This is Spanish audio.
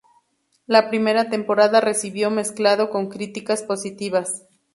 La primera temporada recibió mezclado con críticas positivas.